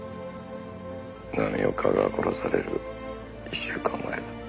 浪岡が殺される１週間前だ。